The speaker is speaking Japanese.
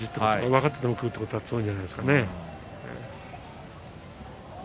分かっていても食うというところは、強いんじゃないですかね。